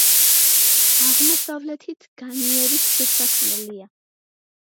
აღმოსავლეთით განიერი შესასვლელია.